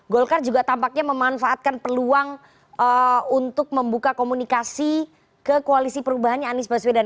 golkar juga tampaknya memanfaatkan peluang untuk membuka komunikasi ke koalisi perubahannya anies baswedan